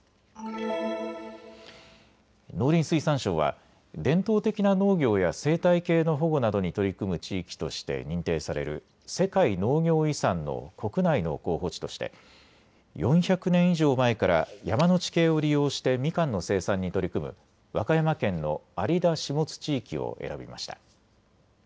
農林水産省は伝統的な農業や生態系の保護などに取り組む地域として認定される世界農業遺産の国内の候補地として４００年以上前から山の地形を利用してみかんの生産に取り組む和歌山県の有田・下津地域を選びました。